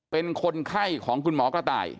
เป็นคนไข้ของคุณหมอกระต่าย